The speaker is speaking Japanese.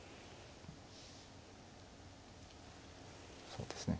そうですね